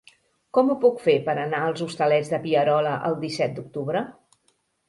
Com ho puc fer per anar als Hostalets de Pierola el disset d'octubre?